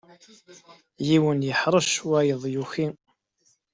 Yiwen iḥṛec, wayeḍ yuki.